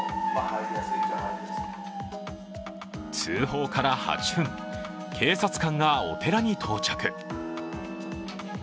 通報から８分、警察官がお寺に到着。